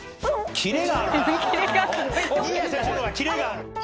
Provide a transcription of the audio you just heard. キレがある。